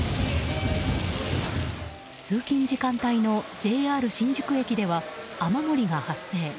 通勤時間帯のＪＲ新宿駅では雨漏りが発生。